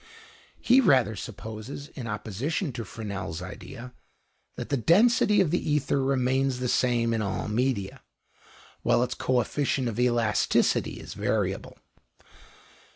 He rather supposes, in opposition to Fresnel's idea, that the density of the ether remains the same in all media, while its coefficient of elasticity is variable.